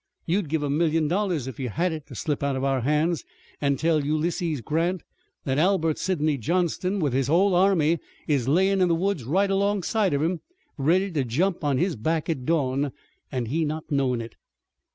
You'd give a million dollars if you had it to slip out of our hands and tell Ulysses Grant that Albert Sidney Johnston with his whole army is layin' in the woods right alongside of him, ready to jump on his back at dawn, an' he not knowin' it."